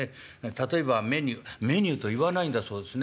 例えばメニューメニューといわないんだそうですね。